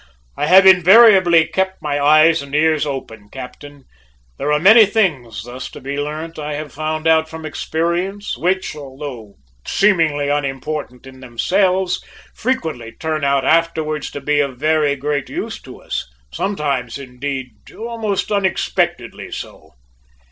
"I have invariably kept my ears and eyes open, captain. There are many things thus to be learnt, I have found out from experience, which, although seemingly unimportant in themselves, frequently turn out afterwards to be of very great use to us, sometimes, indeed, almost unexpectedly so!"